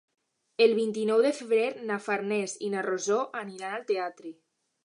El vint-i-nou de febrer na Farners i na Rosó aniran al teatre.